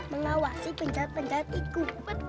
mengawasi penjahat penjahat itu